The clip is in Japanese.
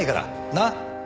なっ？